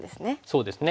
そうですね。